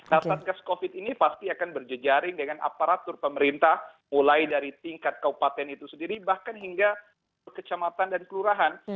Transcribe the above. nah satgas covid ini pasti akan berjejaring dengan aparatur pemerintah mulai dari tingkat kabupaten itu sendiri bahkan hingga kecamatan dan kelurahan